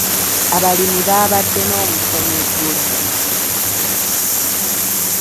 Abalimi baabadde n'omusomo eggulo.